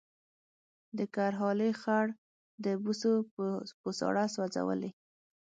د کرهالې خړ د بوسو بوساړه سوځولې